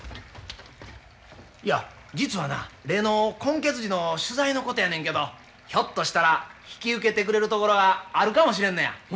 いや実はな例の混血児の取材のことやねんけどひょっとしたら引き受けてくれる所があるかもしれんのや。